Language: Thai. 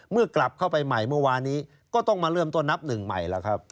กลับเข้าไปใหม่เมื่อวานี้ก็ต้องมาเริ่มต้นนับหนึ่งใหม่แล้วครับ